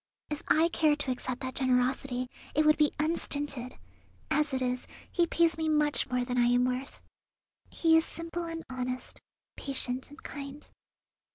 If I cared to accept that generosity it would be unstinted. As it is, he pays me much more than I am worth. He is simple and honest, patient and kind.